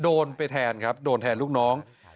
โดนไปแทนครับโดนแทนลูกน้อง